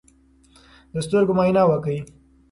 د سترګو معاینه وکړئ.